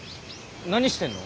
何してんの？